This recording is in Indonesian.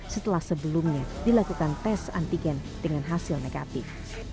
setelah sebelumnya dilakukan tes antigen dengan hasil negatif